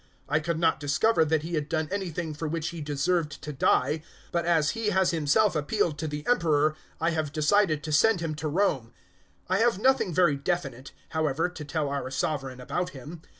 025:025 I could not discover that he had done anything for which he deserved to die; but as he has himself appealed to the Emperor, I have decided to send him to Rome. 025:026 I have nothing very definite, however, to tell our Sovereign about him.